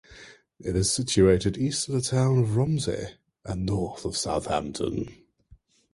It is situated east of the town of Romsey and north of Southampton.